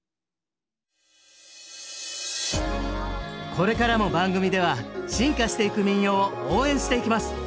これからも番組では進化していく民謡を応援していきます。